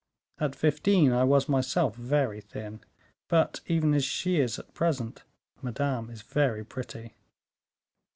At fifteen I was, myself, very thin; but even as she is at present, Madame is very pretty."